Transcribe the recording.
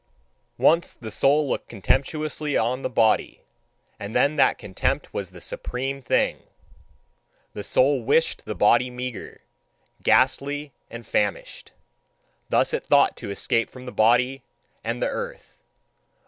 Once the soul looked contemptuously on the body, and then that contempt was the supreme thing: the soul wished the body meagre, ghastly, and famished. Thus it thought to escape from the body and the earth.